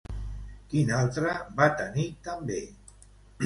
Quin altre va tenir també?